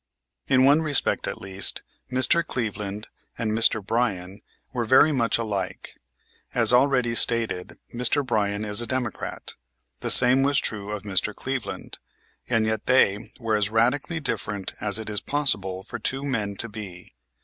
In one respect at least, Mr. Cleveland and Mr. Bryan were very much alike. As already stated, Mr. Bryan is a Democrat. The same was true of Mr. Cleveland; and yet they were as radically different as it is possible for two men to be.